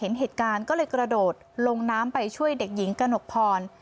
เห็นเหตุการณ์ก็เลยกระโดดลงน้ำไปช่วยเด็กหญิงกระหนกพร